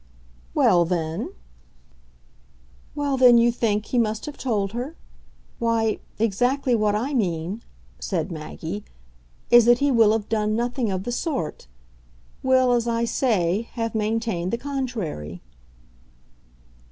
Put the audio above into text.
"Well then ?" "Well then, you think, he must have told her? Why, exactly what I mean," said Maggie, "is that he will have done nothing of the sort; will, as I say, have maintained the contrary."